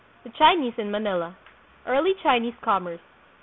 The Chinese in Manila. Early Chinese Commerce.